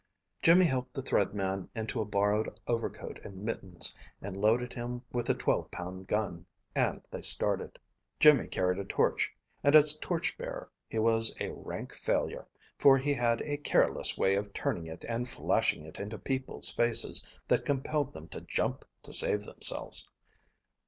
Jimmy helped the Thread Man into a borrowed overcoat and mittens, and loaded him with a twelve pound gun, and they started. Jimmy carried a torch, and as torch bearer he was a rank failure, for he had a careless way of turning it and flashing it into people's faces that compelled them to jump to save themselves.